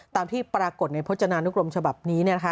ตามที่ปรากฏในพจนานุกรมฉบับนี้